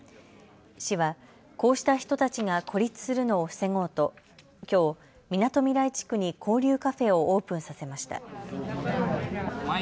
市は、こうした人たちが孤立するのを防ごうときょう、みなとみらい地区に交流カフェをオープンさせました。